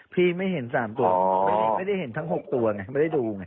พี่ไม่เห็น๓ตัวไม่ได้เห็นทั้ง๖ตัวไงไม่ได้ดูไง